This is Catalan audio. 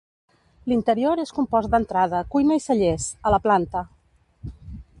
L'interior és compost d'entrada, cuina i cellers, a la planta.